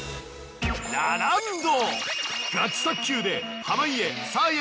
ラランド。